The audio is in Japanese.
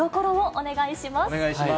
お願いします。